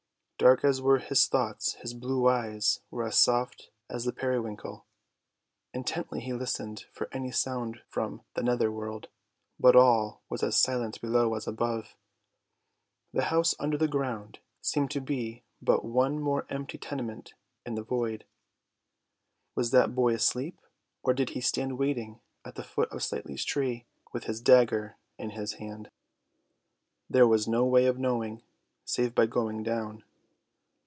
Dark as were his thoughts his blue eyes were as soft as the periwinkle. Intently he listened for any sound from the nether world, but all was as silent below as above; the house under the ground seemed to be but one more empty tenement in the void. Was that boy asleep, or did he stand waiting at the foot of Slightly's tree, with his dagger in his hand? There was no way of knowing, save by going down.